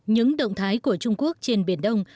những động thái của trung quốc trên biển đông